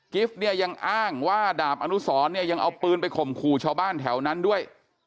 ฟเนี่ยยังอ้างว่าดาบอนุสรเนี่ยยังเอาปืนไปข่มขู่ชาวบ้านแถวนั้นด้วย